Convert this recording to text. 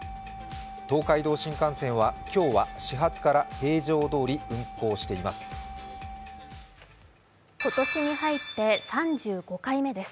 東海道新幹線は今日は始発から平常通り運行しています。